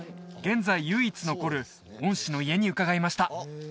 現在唯一残る御師の家に伺いました